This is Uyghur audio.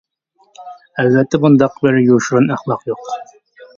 ئەلۋەتتە بۇنداق بىر يوشۇرۇن ئەخلاق يوق.